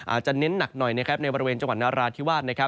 อาจจะเน้นหนักหน่อยในบริเวณจังหวัดนราธิวาท